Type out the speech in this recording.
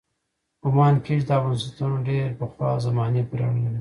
ګومان کېږي دا بنسټونه ډېرې پخوا زمانې پورې اړه لري.